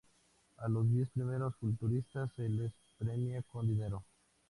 A Los diez primeros culturistas se les premia con dinero.